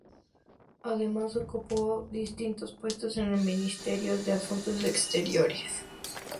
Además ocupó distintos puestos en el Ministerio de Asuntos Exteriores.